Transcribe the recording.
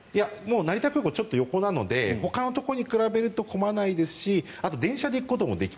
成田空港ちょっと横なのでほかのところに比べると混まないですしあとは電車で行くこともできる。